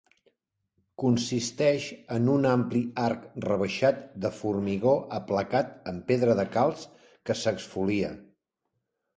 Consisteix en un ampli arc rebaixat de formigó aplacat amb pedra de calç que s'exfolia.